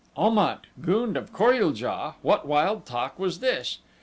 Om at, gund of Kor ul JA! What wild talk was this?